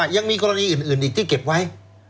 ยังมีกรณีอื่นอีกที่เก็บไว้